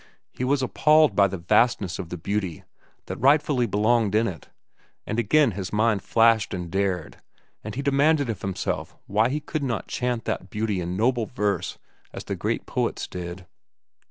He was appalled by the vastness of the beauty that rightfully belonged in it, and again his mind flashed and dared, and he demanded of himself why he could not chant that beauty in noble verse as the great poets did.